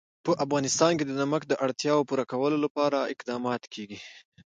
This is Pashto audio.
په افغانستان کې د نمک د اړتیاوو پوره کولو لپاره اقدامات کېږي.